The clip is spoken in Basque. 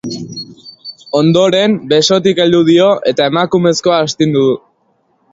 Ondoren, besotik heldu dio eta emakumezkoa astindu du.